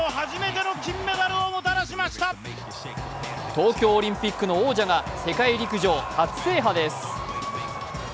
東京オリンピックの王者が世界陸上初制覇です。